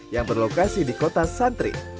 yang berlokasi di kota santri